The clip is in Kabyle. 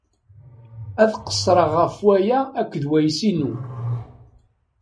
Ad qeṣṣreɣ ɣef waya akked wayis-inu.